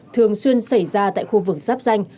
thường xuyên xảy ra tại khu vực giáp danh